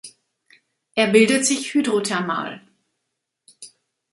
Er bildet sich hydrothermal.